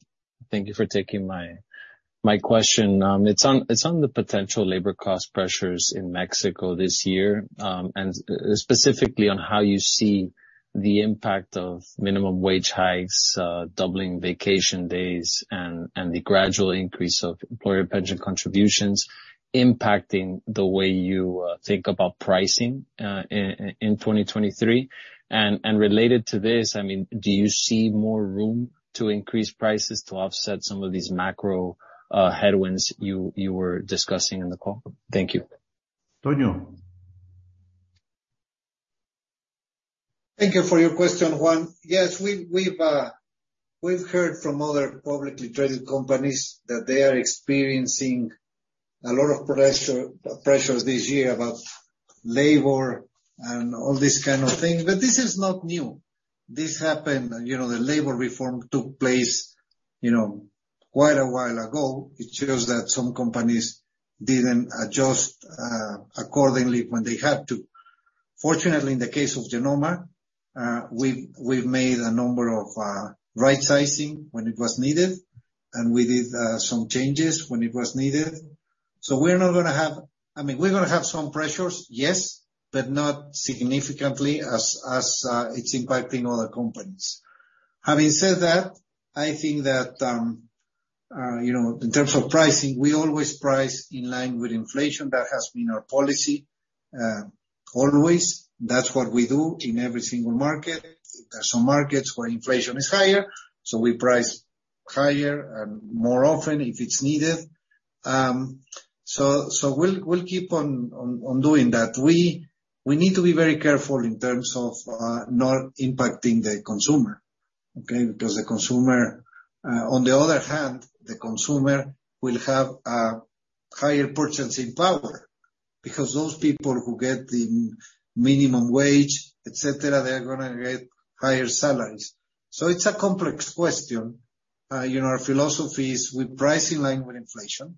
Thank you for taking my question. It's on the potential labor cost pressures in Mexico this year, and specifically on how you see the impact of minimum wage hikes, doubling vacation days and the gradual increase of employer pension contributions impacting the way you think about pricing in 2023. Related to this, I mean, do you see more room to increase prices to offset some of these macro headwinds you were discussing in the call? Thank you. Antonio. Thank you for your question, Juan. Yes, we've heard from other publicly traded companies that they are experiencing a lot of pressure, pressures this year about labor and all this kind of things, but this is not new. This happened, you know, the labor reform took place, you know, quite a while ago. It shows that some companies didn't adjust accordingly when they had to. Fortunately, in the case of Genomma, we've made a number of right-sizing when it was needed, and we did some changes when it was needed. I mean, we're gonna have some pressures, yes, but not significantly as it's impacting other companies. Having said that, I think that, you know, in terms of pricing, we always price in line with inflation. That has been our policy, always. That's what we do in every single market. There are some markets where inflation is higher, so we price higher and more often if it's needed. So we'll keep on doing that. We need to be very careful in terms of not impacting the consumer, okay? Because the consumer, on the other hand, the consumer will have a higher purchasing power because those people who get the minimum wage, et cetera, they're gonna get higher salaries. It's a complex question. You know, our philosophy is we price in line with inflation,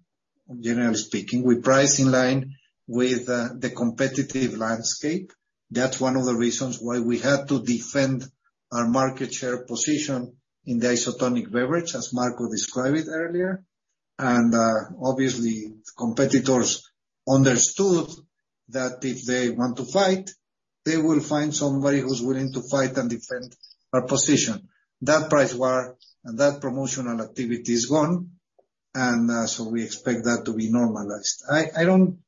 generally speaking. We price in line with the competitive landscape. That's one of the reasons why we had to defend our market share position in the isotonic beverage, as Marco described it earlier. Obviously, competitors understood that if they want to fight, they will find somebody who's willing to fight and defend our position. That price war and that promotional activity is gone, and so we expect that to be normalized. I don't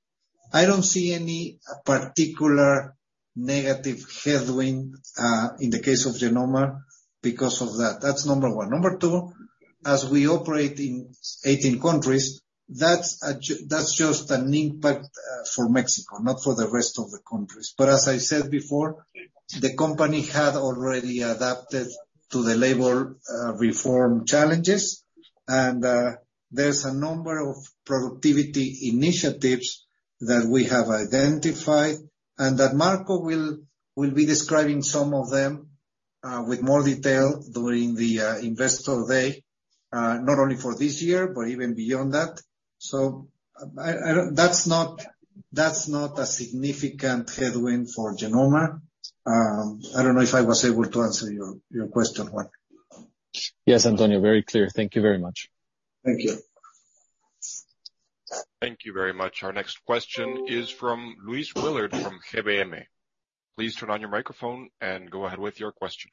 see any particular negative headwind in the case of Genomma because of that. That's number one. Number two, as we operate in 18 countries, that's just an impact for Mexico, not for the rest of the countries. As I said before, the company had already adapted to the labor reform challenges. There's a number of productivity initiatives that we have identified and that Marco will be describing some of them with more detail during the Investor Day, not only for this year, but even beyond that. I don't. That's not a significant headwind for Genomma. I don't know if I was able to answer your question, Juan? Yes, Antonio. Very clear. Thank you very much. Thank you. Thank you very much. Our next question is from Luis Willard from GBM. Please turn on your microphone and go ahead with your question.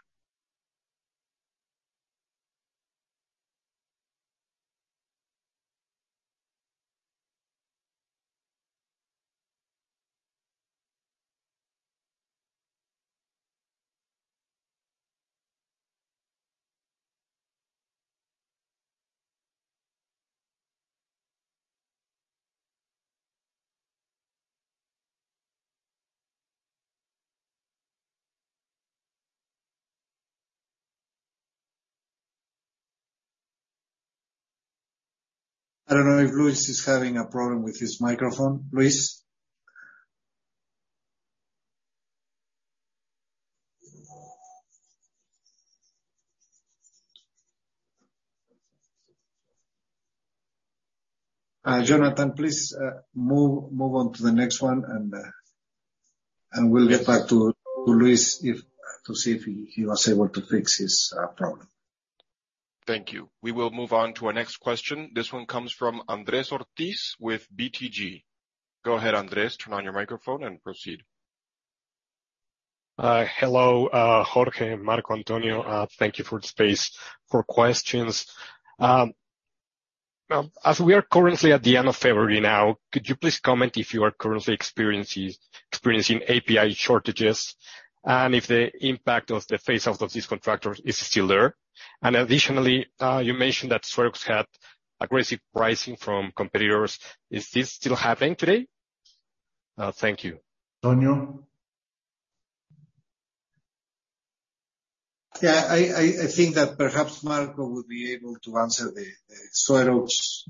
I don't know if Luis is having a problem with his microphone. Luis? Jonathan, please, move on to the next one. We'll get back to Luis to see if he was able to fix his problem. Thank you. We will move on to our next question. This one comes from Andrés Ortiz with BTG. Go ahead, Andrés. Turn on your microphone and proceed. Hello, Jorge, Marco, Antonio. Thank you for the space for questions. As we are currently at the end of February now, could you please comment if you are currently experiencing API shortages and if the impact of the phase out of these contractors is still there? Additionally, you mentioned that SueroX had aggressive pricing from competitors. Is this still happening today? Thank you. Antonio. Yeah. I think that perhaps Marco would be able to answer the SueroX's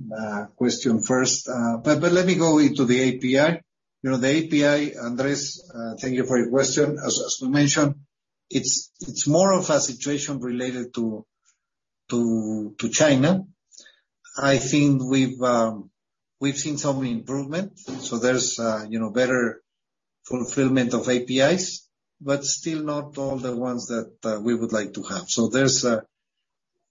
question first. Let me go into the API. You know, the API, Andrés, thank you for your question. As we mentioned, it's more of a situation related to China. I think we've seen some improvement, so there's, you know, better fulfillment of APIs, but still not all the ones that we would like to have.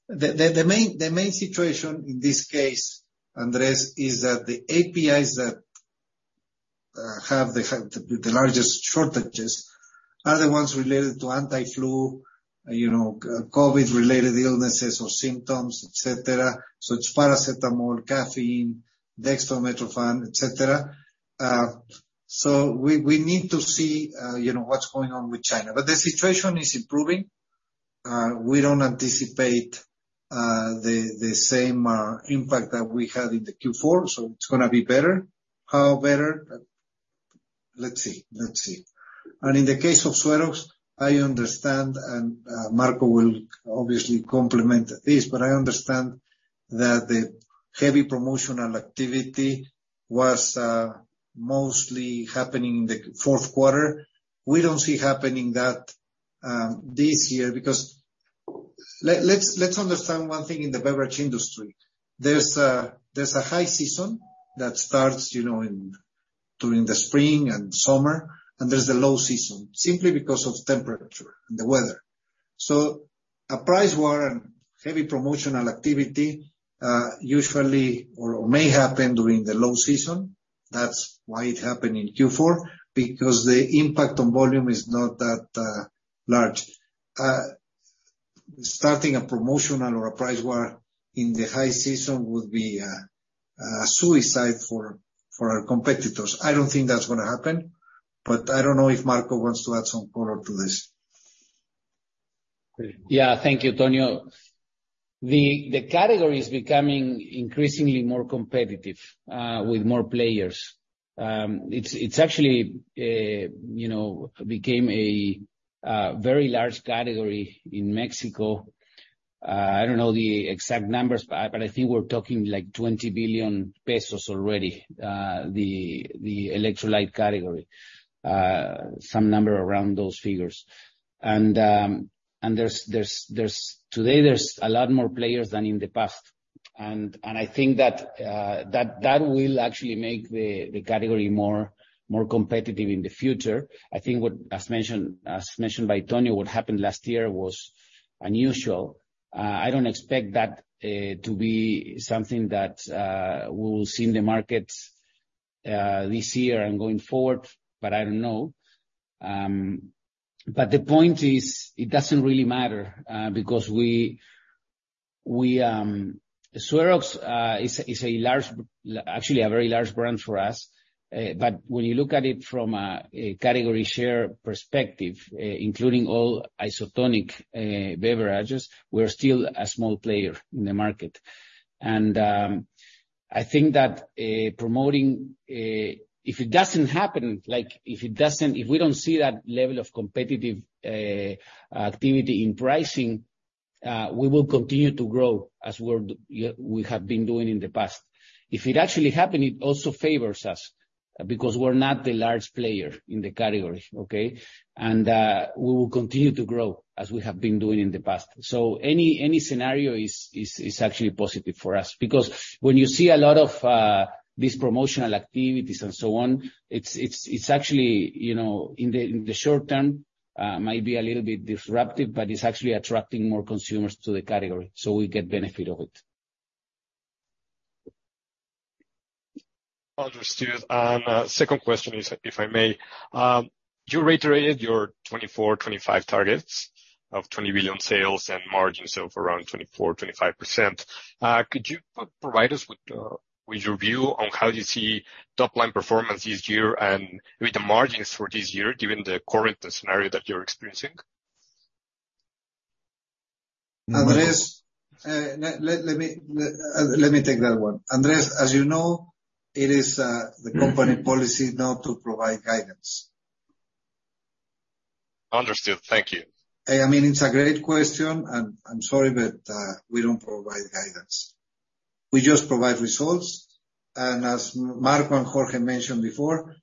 The main situation in this case, Andrés, is that the APIs that have the largest shortages are the ones related to anti-flu, you know, COVID-related illnesses or symptoms, et cetera. It's paracetamol, caffeine, dextromethorphan, et cetera. We need to see, you know, what's going on with China. The situation is improving. We don't anticipate the same impact that we had in the Q4, so it's gonna be better. How better? Let's see. Let's see. In the case of SueroX, I understand, and Marco will obviously complement this, but I understand that the heavy promotional activity was mostly happening in the fourth quarter. We don't see happening that this year. Because let's understand one thing in the beverage industry. There's a high season that starts, you know, in during the spring and summer, and there's a low season simply because of temperature and the weather. A price war and heavy promotional activity usually or may happen during the low season. That's why it happened in Q4, because the impact on volume is not that large. Starting a promotional or a price war in the high season would be suicide for our competitors. I don't think that's gonna happen, but I don't know if Marco wants to add some color to this. Yeah. Thank you, Antonio. The category is becoming increasingly more competitive with more players. It's actually, you know, became a very large category in Mexico. I don't know the exact numbers, but I think we're talking, like, 20 billion pesos already, the electrolyte category, some number around those figures. Today, there's a lot more players than in the past, and I think that will actually make the category more competitive in the future. I think what, as mentioned by Antonio, what happened last year was unusual. I don't expect that to be something that we'll see in the market this year and going forward, but I don't know. The point is, it doesn't really matter, because SueroX is actually a very large brand for us, but when you look at it from a category share perspective, including all isotonic beverages, we're still a small player in the market. I think that promoting If we don't see that level of competitive activity in pricing, we will continue to grow as we have been doing in the past. If it actually happen, it also favors us because we're not the large player in the category, okay? We will continue to grow as we have been doing in the past. Any scenario is actually positive for us because when you see a lot of these promotional activities and so on, it's actually, you know, in the short term, might be a little bit disruptive, but it's actually attracting more consumers to the category. We get benefit of it. Understood. Second question is, if I may, you reiterated your 2024, 2025 targets of 20 billion sales and margins of around 24%-25%. Could you provide us with your view on how you see top-line performance this year and with the margins for this year, given the current scenario that you're experiencing? Andrés, let me take that one. Andrés, as you know, it is the company policy now to provide guidance. Understood. Thank you. I mean, it's a great question. I'm sorry, we don't provide guidance. We just provide results. As Marco and Jorge mentioned before,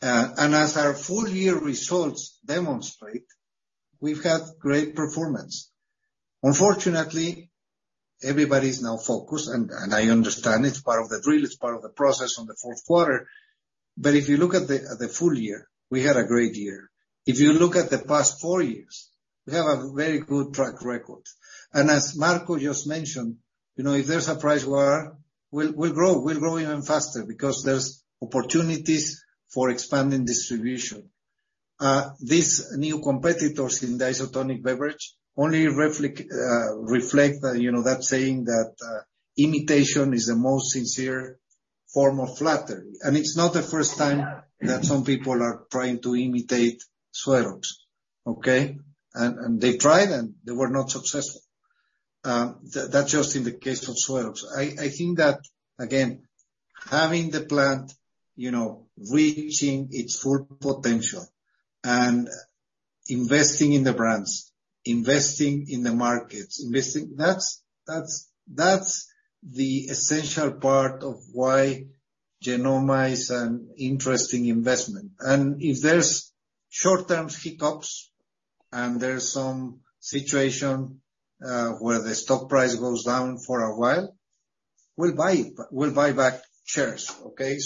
as our full year results demonstrate, we've had great performance. Everybody's now focused, and I understand it's part of the drill, it's part of the process on the fourth quarter, if you look at the full year, we had a great year. If you look at the past four years, we have a very good track record. As Marco just mentioned, you know, if there's a price war, we'll grow even faster because there's opportunities for expanding distribution. These new competitors in the isotonic beverage only reflect, you know, that saying that imitation is the most sincere form of flattery. It's not the first time that some people are trying to imitate SueroX, okay? They tried, and they were not successful. That's just in the case of SueroX. I think that, again, having the plant, you know, reaching its full potential and investing in the brands, investing in the markets, investing... That's the essential part of why Genomma is an interesting investment. If there's some situation where the stock price goes down for a while, we'll buy it. We'll buy back shares, okay?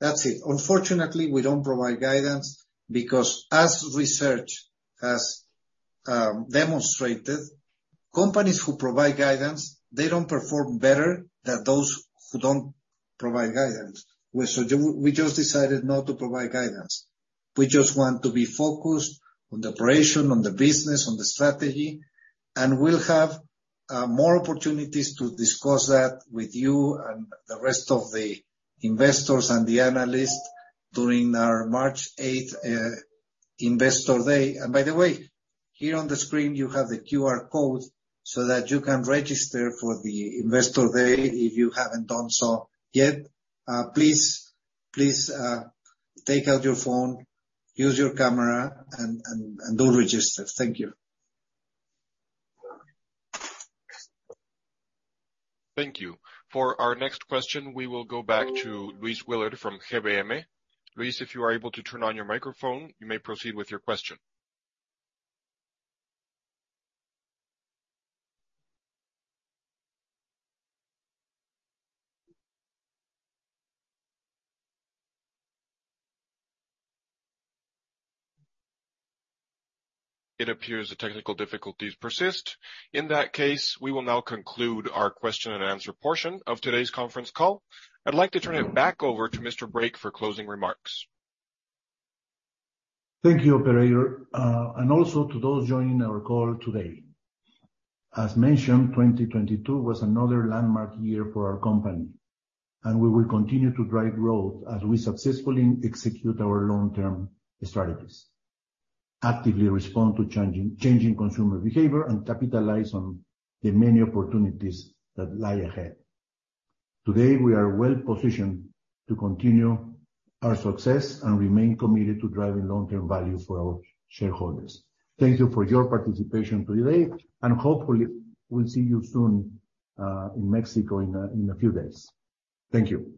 That's it. Unfortunately, we don't provide guidance because as research has demonstrated, companies who provide guidance, they don't perform better than those who don't provide guidance. We just decided not to provide guidance. We just want to be focused on the operation, on the business, on the strategy, and we'll have more opportunities to discuss that with you and the rest of the investors and the analysts during our March eighth Investor Day. By the way, here on the screen you have the QR code so that you can register for the Investor Day if you haven't done so yet. Please, please take out your phone, use your camera and do register. Thank you. Thank you. For our next question, we will go back to Luis Willard from GBM. Luis, if you are able to turn on your microphone, you may proceed with your question. It appears the technical difficulties persist. In that case, we will now conclude our question and answer portion of today's conference call. I'd like to turn it back over to Mr. Brake for closing remarks. Thank you, Operator. Also to those joining our call today. As mentioned, 2022 was another landmark year for our company, and we will continue to drive growth as we successfully execute our long-term strategies, actively respond to changing consumer behavior, and capitalize on the many opportunities that lie ahead. Today, we are well-positioned to continue our success and remain committed to driving long-term value for our shareholders. Thank you for your participation today and hopefully we'll see you soon in Mexico in a few days. Thank you.